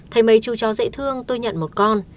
thầy mấy chú chó dễ thương tôi nhận một con